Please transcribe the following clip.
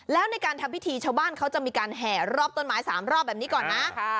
แล้วในการทำพิธีชาวบ้านเขาจะมีการแห่รอบต้นไม้๓รอบแบบนี้ก่อนนะ